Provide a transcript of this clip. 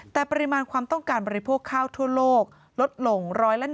แต่ปริมาณความต้องการบริโภคข้าวทั่วโลกลดลง๑๑